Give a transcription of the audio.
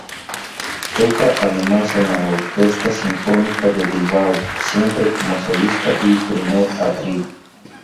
Toca además en la Orquesta Sinfónica de Bilbao, siempre como solista y primer atril.